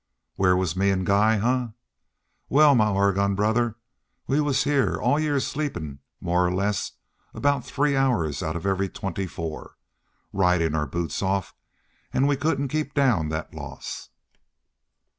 "Where was me an' Guy, huh? Wal, my Oregon brother, we was heah, all year, sleepin' more or less aboot three hours out of every twenty four ridin' our boots off an' we couldn't keep down that loss."